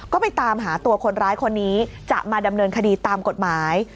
ก็ไปตามหาตัวคนร้ายคนนี้จะมาดำเนินคดีตามกฎหมาย